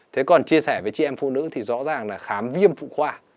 thế còn chia sẻ với chị em phụ nữ thì rõ ràng là khám viêm phụ khoa